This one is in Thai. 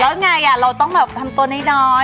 แล้วไงเราต้องแบบทำตัวน้อย